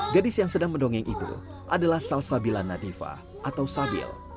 gadis yang sedang mendongeng itu adalah salsabila nadifa atau sabil